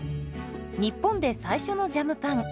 日本で最初のジャムパン。